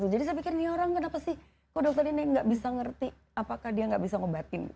jadi saya pikir ini orang kenapa sih kok dokter ini nggak bisa ngerti apakah dia nggak bisa ngobatin